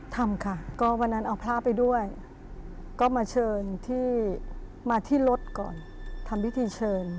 ทำค่ะก็วันนั้นเอาพระไปด้วยก็มาเชิญที่มาที่รถก่อนทำพิธีเชิญ